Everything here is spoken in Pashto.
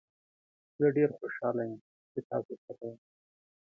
زه ډیر خوشحاله یم چې تاسو سره یم.